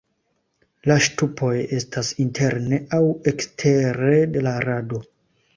La ŝtupoj estas interne aŭ ekstere de la rado.